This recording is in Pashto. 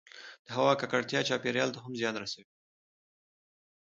د هـوا کـکړتـيا چاپـېريال ته هم زيان رسـوي